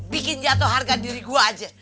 bikin jatuh harga diri gue aja